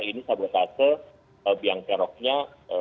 ini satu satu biangkeroknya